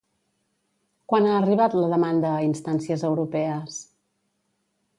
Quan ha arribat la demanda a instàncies europees?